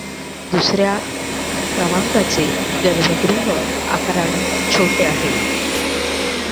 दुसर् या क्रमांकाचे गर्भगृह आकाराने छोटे आहे.